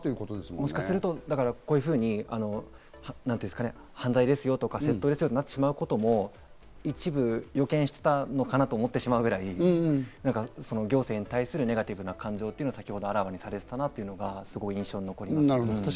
もしかするとこういうふうに犯罪ですよとか、窃盗ですよとなってしまうことも一部予見していたのかなと思ってしまうくらい、行政に対するネガティブな感情があらわにされていたなというのが印象に残りました。